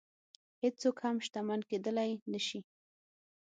هېڅوک هم شتمن کېدلی نه شي.